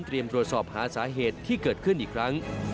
ตรวจสอบหาสาเหตุที่เกิดขึ้นอีกครั้ง